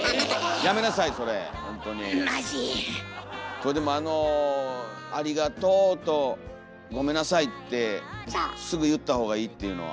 これでも「ありがとう」と「ごめんなさい」ってすぐ言った方がいいっていうのは。